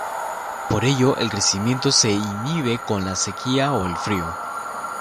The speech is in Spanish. Por ello, el crecimiento se inhibe con la sequía o el frío.